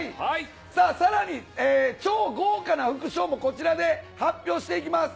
さあ、さらに超豪華な副賞もこちらで発表していきます。